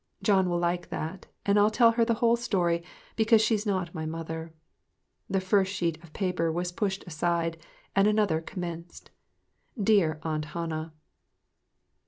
John will like that, and I'll tell her the whole story, because she is not my mother." The first sheet was pushed aside, and another commenced "Dear Aunt Hannah."